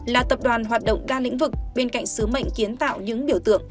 là tập đoàn hoạt động đa lĩnh vực bên cạnh sứ mệnh kiến tạo những biểu tượng